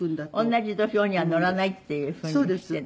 同じ土俵には乗らないっていう風にしてるんですね。